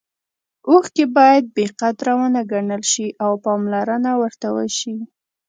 اوښکې باید بې قدره ونه ګڼل شي او پاملرنه ورته وشي.